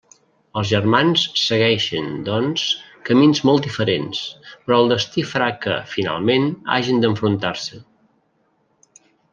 Els germans segueixen, doncs, camins molt diferents, però el destí farà que, finalment, hagin d'enfrontar-se.